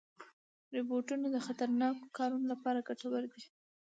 روبوټونه د خطرناکو کارونو لپاره ګټور دي.